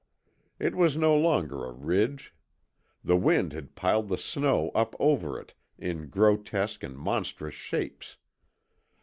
It was no longer a ridge. The wind had piled the snow up over it in grotesque and monstrous shapes.